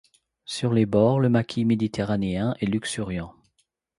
Sur les bords, le maquis méditerranéen est luxuriant.